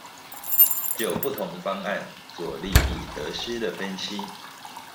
就不同方案作利弊得失的分析